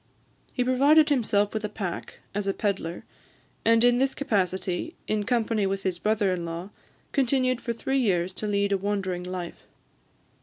He provided himself with a pack, as a pedlar, and in this capacity, in company with his brother in law, continued for three years to lead a wandering life.